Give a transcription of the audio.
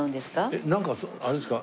えっなんかあれですか？